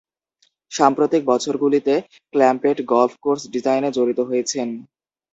সাম্প্রতিক বছরগুলিতে Clampett golf course ডিজাইনে জড়িত হয়েছেন।